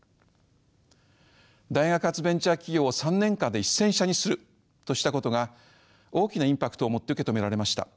大学発ベンチャー企業を３年間で１，０００社にするとしたことが大きなインパクトを持って受け止められました。